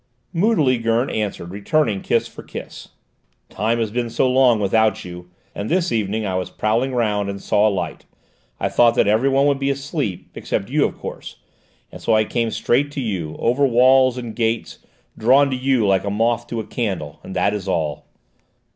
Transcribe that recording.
Moodily Gurn answered, returning kiss for kiss. "Time has been so long without you! And this evening I was prowling round and saw a light. I thought that every one would be asleep except you, of course. And so I came straight to you, over walls, and gates drawn to you like a moth to a candle: and that is all!"